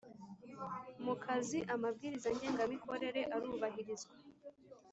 mu kazi amabwiriza ngengamikorere arubahirizwa